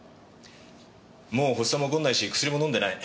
もう発作も起こんないし薬も飲んでない。